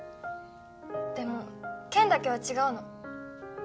でも健だけは違うの